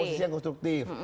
oposisi yang konstruktif